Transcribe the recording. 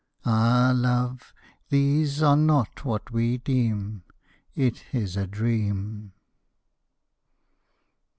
Ah, love, these are not what we deem; It is a dream.